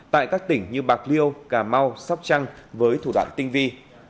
tại các tỉnh như bạc liêu cà mau sóc trăng với thủ đoạn tinh vi